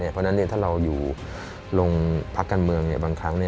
เพราะฉะนั้นถ้าเราอยู่โรงพักการเมืองบางครั้ง